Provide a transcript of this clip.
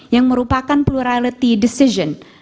yang merupakan plurality decision